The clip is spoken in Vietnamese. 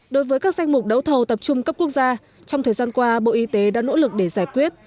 đối với các danh mục đấu thầu tập trung cấp quốc gia trong thời gian qua bộ y tế đã nỗ lực để giải quyết